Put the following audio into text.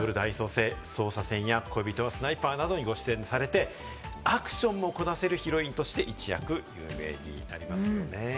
さらに『踊る大捜査線』や『恋人はスナイパー』などに出演されて、アクションもこなせるヒロインとして一躍有名になりますね。